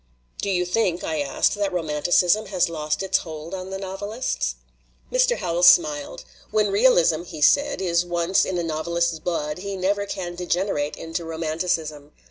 "Do you think," I asked, "that romanticism has lost its hold on the novelists?" Mr. Howells smiled. "When realism," he said, "is once in a novelist's blood he never can de generate into romanticism.